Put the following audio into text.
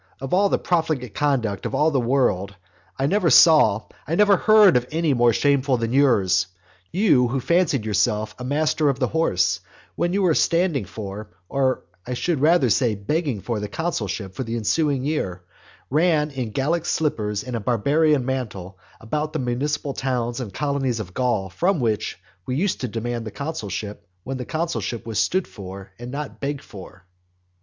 Of all the profligate conduct of all the world, I never saw, I never heard of any more shameful than yours. You who fancied yourself a master of the horse, when you were standing for, or I should rather say begging for the consulship for the ensuing year, ran in Gallic slippers and a barbarian mantle about the municipal towns and colonies of Gaul from which we used to demand the consulship when the consulship was stood for and not begged for.